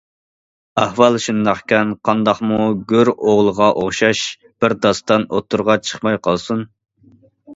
ئەھۋال شۇنداقكەن، قانداقمۇ گۆر ئوغلىغا ئوخشاش بىر داستان ئوتتۇرىغا چىقماي قالسۇن؟!